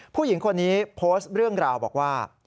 ผู้หญิงคนนี้โพสต์เรื่องราวบอกว่า